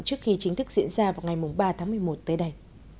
trước khi chính thức diễn ra vào ngày ba tháng một mươi một tới đây